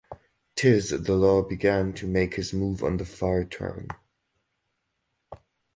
Tiz the Law began to make his move on the far turn.